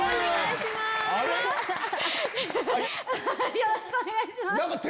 よろしくお願いします。